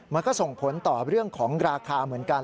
มันก็ส่งผลต่อเรื่องของราคาเหมือนกัน